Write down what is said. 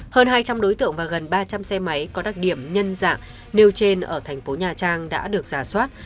hơn hai trăm linh đối tượng và gần ba trăm linh xe máy có đặc điểm nhân dạng nêu trên ở thành phố nhà trang đã được giả soát